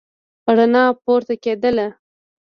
رڼا پورته کېدله.